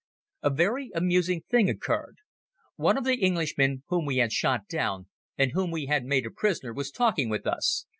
A very amusing thing occurred. One of the Englishmen whom we had shot down and whom we had made a prisoner was talking with us.